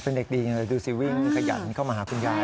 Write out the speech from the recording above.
เป็นเด็กดีไงดูสิวิ่งขยันเข้ามาหาคุณยาย